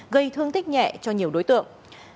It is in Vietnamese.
gây thương tích nhẹ cho nhiều đối tượng